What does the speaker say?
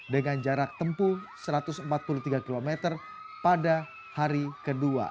dengan jarak tempuh satu ratus empat puluh tiga km pada hari kedua